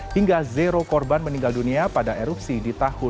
hingga zero korban meninggal dunia pada erupsi di tahun dua ribu dua puluh